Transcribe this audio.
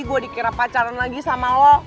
gue dikira pacaran lagi sama lo